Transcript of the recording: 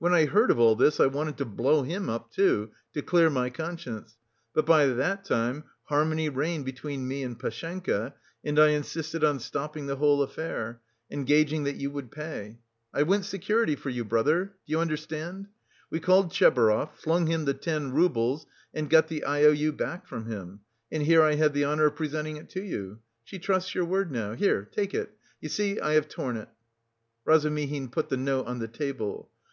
When I heard of all this I wanted to blow him up, too, to clear my conscience, but by that time harmony reigned between me and Pashenka, and I insisted on stopping the whole affair, engaging that you would pay. I went security for you, brother. Do you understand? We called Tchebarov, flung him ten roubles and got the I O U back from him, and here I have the honour of presenting it to you. She trusts your word now. Here, take it, you see I have torn it." Razumihin put the note on the table.